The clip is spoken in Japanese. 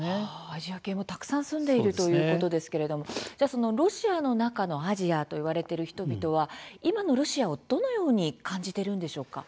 アジア系もたくさん住んでいるということですけれども、じゃあその「ロシアの中のアジア」と言われている人々は今のロシアを、どのように感じているのでしょうか？